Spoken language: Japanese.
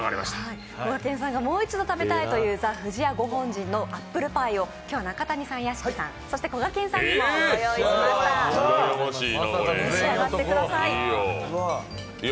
こがけんさんがもう一度食べたいというＴＨＥＦＵＪＩＹＡＧＯＨＯＮＪＩＮのアップルパイを今日は中谷さん、屋敷さん、そしてこがけんさんにもご用意しましたので召し上がってください。